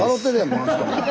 この人も。